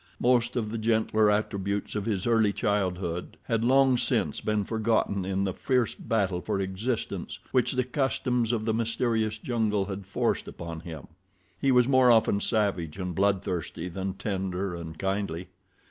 Most of the gentler attributes of his early childhood had long since been forgotten in the fierce battle for existence which the customs of the mysterious jungle had forced upon him. He was more often savage and bloodthirsty than tender and kindly.